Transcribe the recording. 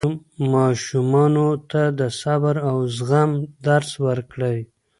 ماشومانو ته د صبر او زغم درس ورکړئ.